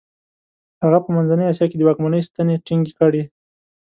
هغه په منځنۍ اسیا کې د واکمنۍ ستنې ټینګې کړې.